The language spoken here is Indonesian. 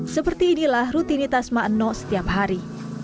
seperti inilah rutinitas mak no setiap hari